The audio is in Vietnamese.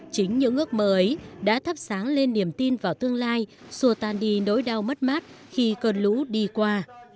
chính những ước mơ ấy đã thắp sáng lên niềm tin vào tương lai xua tan đi nỗi đau mất mát khi cơn lũ đi qua